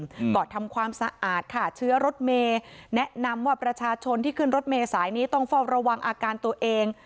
อืมก็ทำความสะอาดค่ะเชื้อรถเมย์แนะนำว่าประชาชนที่ขึ้นรถเมษายนี้ต้องเฝ้าระวังอาการตัวเอง